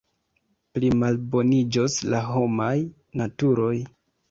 Plimalboniĝos la homaj naturoj.